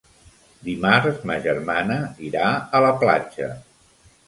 Dimarts ma germana irà a la platja.